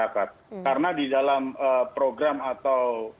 karena di dalam program atau